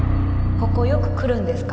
ここよく来るんですか？